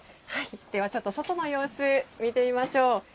では、ちょっと外の様子見てみましょう。